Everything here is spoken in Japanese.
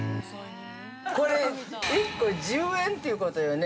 ◆これ、１個１０円ということよね？